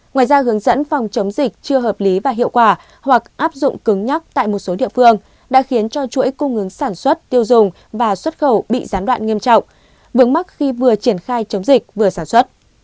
ngoài ra hướng dẫn phòng chống dịch chưa hợp lý và hiệu quả hoặc áp dụng cứng nhắc tại một số địa phương đã khiến cho chuỗi cung ứng sản xuất tiêu dùng và xuất khẩu bị gián đoạn nghiêm trọng vướng mắt khi vừa triển khai chống dịch vừa sản xuất